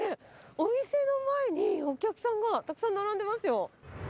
お店の前にお客さんがたくさん並んでますよ。